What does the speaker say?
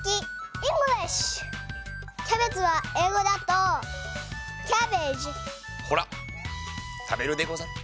キャベツはえいごだとほらたべるでござる。